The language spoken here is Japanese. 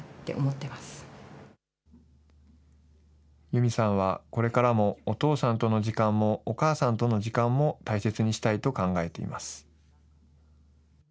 ユミさんはこれからも、お父さんとの時間も、お母さんとの時間も大切にしたいと考えています。